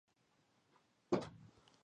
د پیرودونکو خدمتونه د اقتصادي ثبات لامل ګرځي.